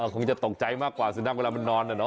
คงจะตกใจมากกว่าสุนัขเวลามันนอน